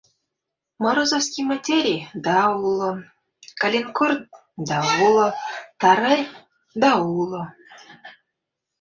— Морозовский материй да уло, каленкор да уло, тарай да уло...